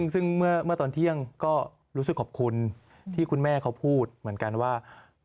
ซึ่งเมื่อตอนเที่ยงก็รู้สึกขอบคุณที่คุณแม่เขาพูดเหมือนกันว่า